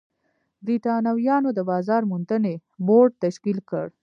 برېټانویانو د بازار موندنې بورډ تشکیل کړ.